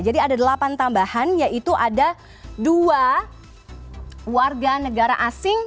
ada delapan tambahan yaitu ada dua warga negara asing